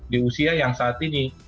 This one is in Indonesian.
di usia yang saat ini